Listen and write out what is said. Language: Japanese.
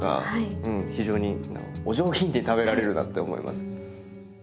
非常にお上品に食べられるなって思います。